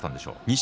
錦